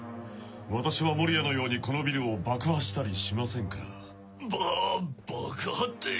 私は森谷のようにこのビルを爆破したりしませんから。ば爆破って。